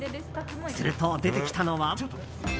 すると、出てきたのは。